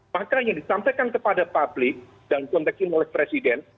makanya disampaikan kepada publik dan dikonteksi oleh presiden